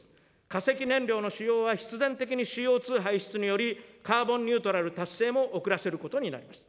化石燃料の使用は、必然的にＣＯ２排出により、カーボンニュートラル達成も遅らせることになります。